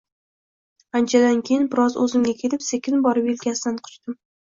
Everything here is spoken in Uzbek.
Anchadan keyin biroz o’zimga kelib, sekin borib yelkasidan quchdim: